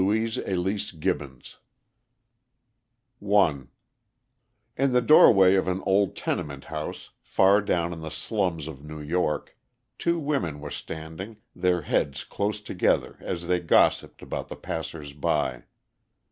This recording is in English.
BISHOP OF NEW YORK JANET I IN the doorway of an old tenement house, far down in the slums of New York, two women were standing, their heads close together as they gossiped about the passers by.